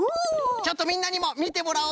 ちょっとみんなにもみてもらおうかのう。